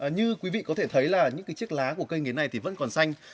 như quý vị có thể thấy là những chiếc lá của cây nghiến này vẫn còn xanh